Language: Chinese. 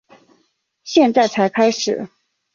现在才开始